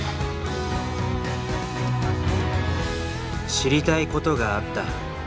知りたいことがあった。